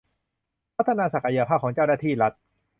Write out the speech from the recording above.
พัฒนาศักยภาพของเจ้าหน้าที่รัฐ